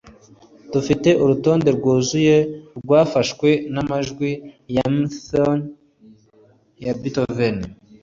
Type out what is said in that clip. dufite urutonde rwuzuye rwafashwe amajwi ya simfoni ya beethoven